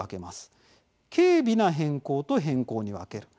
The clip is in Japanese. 「軽微な変更」と「変更」に分ける。